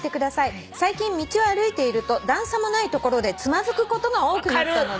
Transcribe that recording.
最近道を歩いていると段差もない所でつまずくことが多くなったのです」